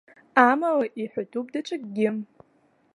Амала, иҳәатәуп даҽакгьы.